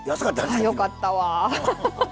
よかったわ。